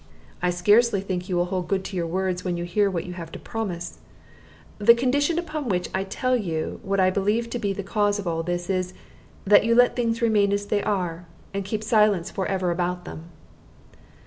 "I scarcely think you will hold good to your words when you hear what you have to promise. The condition upon which I tell you what I believe to be the cause of all is, that you let things remain as they are, and keep silence forever about them."